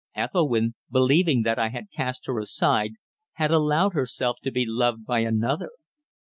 Ethelwynn, believing that I had cast her aside, had allowed herself to be loved by another!